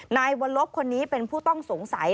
นายวรลบคนนี้เป็นผู้ต้องสงสัย